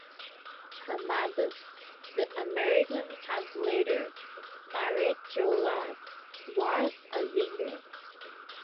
Her mother, the American translator Maria Jolas, was a singer.